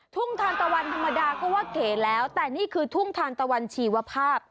ทุ่งทานตะวันธรรมดาก็ว่าเก๋แล้วแต่นี่คือทุ่งทานตะวันชีวภาพ